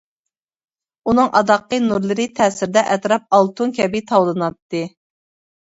ئۇنىڭ ئاداققى نۇرلىرى تەسىرىدە ئەتراپ ئالتۇن كەبى تاۋلىناتتى.